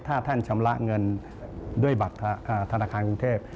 ถ้าท่านชำระเงินด้วยบัตรธนาคารกรุงเทพ